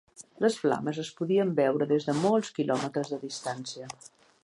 Les flames es podien veure des de molts quilòmetres de distància.